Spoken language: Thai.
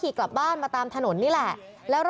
เพราะถูกทำร้ายเหมือนการบาดเจ็บเนื้อตัวมีแผลถลอก